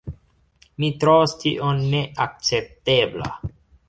Mi trovas tion neakceptebla.